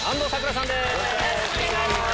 よろしくお願いします。